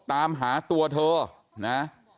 ตามหาตัวเธอนะ